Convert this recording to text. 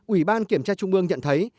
ủy ban kiểm tra trung ương nhận thấy